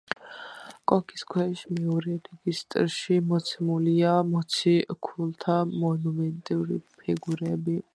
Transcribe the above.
კონქის ქვეშ, მეორე რეგისტრში, მოცემულია მოციქულთა მონუმენტური ფიგურები.